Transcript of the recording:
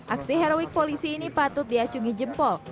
aksi heroik polisi ini patut diacungi jempol